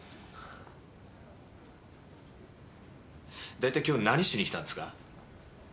大体今日何しにきたんですか？